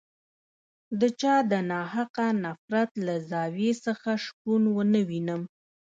د چا د ناحقه نفرت له زاویې څخه شپون ونه وینم.